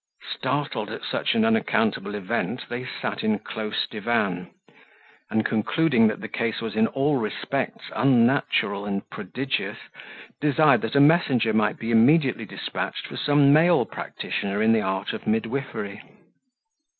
Startled at such an unaccountable event, they sat in close divan; and concluding that the case was in all respects unnatural and prodigious, desired that a messenger might be immediately despatched for some male practitioner in the art of midwifery.